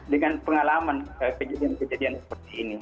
dengan pengalaman kejadian kejadian seperti ini